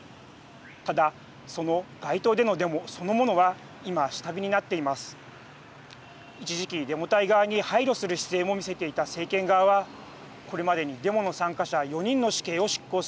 ただその街頭でのデモそのものは今、下火になっています。